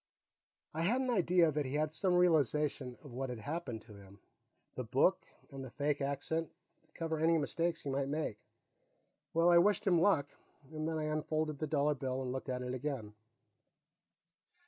I had an idea that he had some realization of what had happened to him the book, and the fake accent, to cover any mistakes he might make. Well, I wished him luck, and then I unfolded the dollar bill and looked at it again.